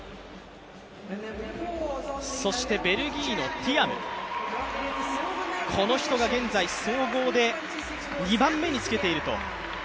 そしてベルギーのティアム、この人が現在総合で２番目につけていると。